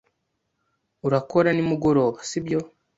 Urakora nimugoroba, sibyo?